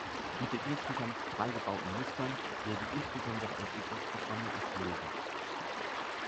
Mit den insgesamt drei gebauten Mustern wurden insbesondere Entwicklungsprogramme erflogen.